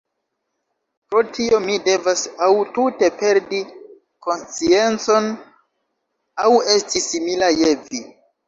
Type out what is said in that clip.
Pro tio mi devas aŭ tute perdi konsciencon, aŭ esti simila je vi.